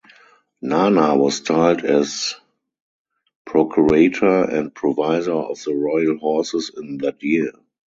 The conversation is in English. Nana was styled as ""procurator" and "provisor" of the royal horses" in that year.